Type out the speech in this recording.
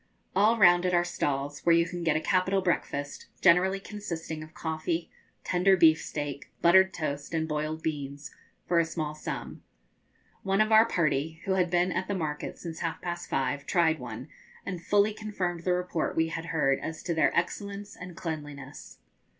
All round it are stalls, where you can get a capital breakfast, generally consisting of coffee, tender beef steak, buttered toast, and boiled beans, for a small sum. One of our party, who had been at the market since half past five, tried one, and fully confirmed the report we had heard as to their excellence and cleanliness.